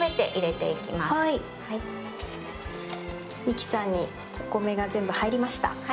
ミキサーにお米が全部入りました。